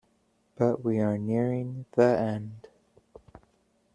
But we are nearing the end.